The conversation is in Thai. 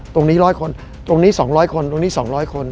ร้อยคนตรงนี้๒๐๐คนตรงนี้๒๐๐คน